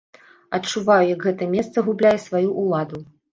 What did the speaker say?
Адчуваю, як гэта месца губляе сваю ўладу.